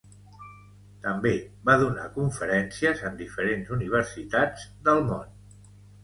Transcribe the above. També va donar conferències en diferents universitats del món.